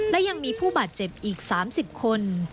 และยังมีผู้บาดเจ็บอีก๓๐คน